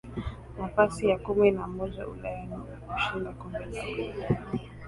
Nafasi ya kumi na moja Ulaya na kushinda kombe la Ulaya